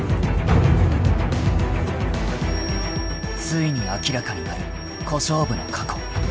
［ついに明らかになる小勝負の過去］